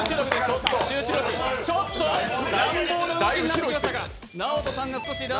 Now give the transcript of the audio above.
ちょっと乱暴な動きになってきましたが。